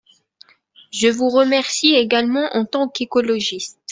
Je vous remercie également en tant qu’écologiste.